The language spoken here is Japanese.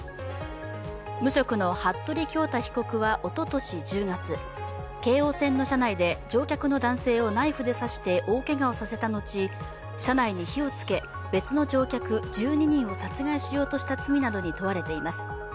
無職の服部恭太被告はおととし１０月京王線の車内で乗客の男性をナイフで刺して大けがをさせた後、車内に火をつけ別の乗客１２人を殺害しようとした罪などに問われています。